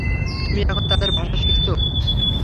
তুমি এখন তাদের ভাষা শিখছ?